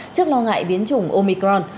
trước lo ngại biến chủng omicron